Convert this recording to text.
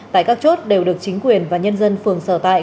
tại các chốt đều được chính quyền và nhân dân phường sở tại